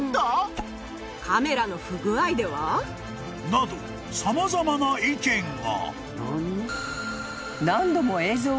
［など様々な意見が］